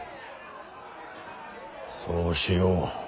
そうしよう。